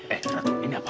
eh ratung ini apa